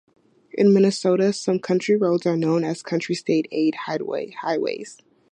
In Minnesota, some county roads are known as county state aid highways.